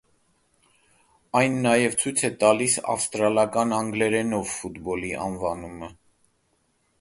Այն նաև ցույց է տալիս ավստրալական անգլերենով ֆուտբոլի անվանումը։